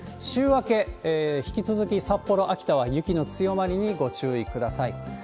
週明け、引き続き札幌、秋田は雪の強まりにご注意ください。